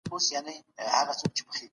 څه ډول دوستان باید له ځانه لري وساتو؟